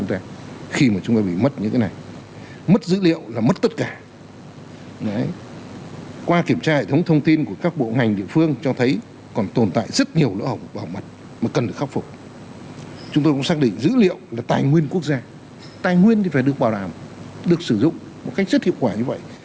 tài nguyên phải được bảo đảm được sử dụng một cách rất hiệu quả như vậy